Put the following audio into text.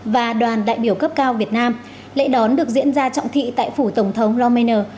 và đoàn đại biểu cấp cao việt nam lễ đón được diễn ra trọng thị tại phủ tổng thống roman